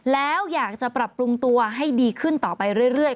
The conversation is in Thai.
แล้วอยากจะปรับปรุงตัวให้ดีขึ้นต่อไปเรื่อย